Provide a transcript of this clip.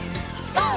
ＧＯ！